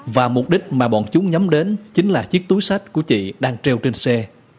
và mục đích mà bọn chúng nhắm đến chính là chiếc túi sách của chị đang treo trên xe